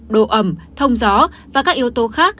độ ẩm thông gió và các yếu tố khác